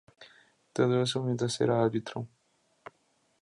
Todo eso mientras era Árbitro.